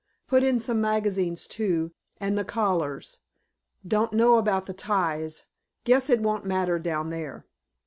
Put in some magazines, too, and the collars. Don't know about the ties guess it won't matter down there.